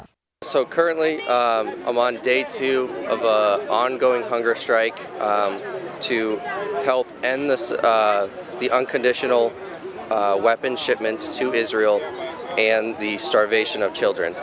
jadi saat ini saya berada pada hari kedua perang harian yang berlangsung untuk membantu mengakhiri penerbangan senjata yang tidak terkandung ke israel dan penaburan anak anak